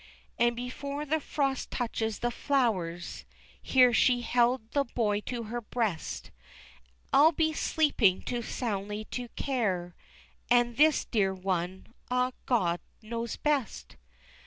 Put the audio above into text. And before the frost touches the flowers" Here she held the boy to her breast "I'll be sleeping too soundly to care, And this dear one ah, God knows best!"